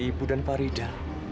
ibu dan farida